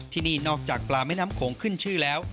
ที่นี่นอกจากปลาแม่น้ำโขงขึ้นชื่อแล้ว